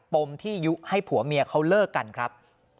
มที่ยุให้ผัวเมียเขาเลิกกันครับ